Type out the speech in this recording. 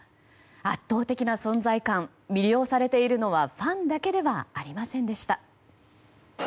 圧倒的な存在感魅了されているのはファンだけではありませんでした。